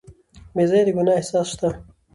بې ځایه د ګناه احساس شته.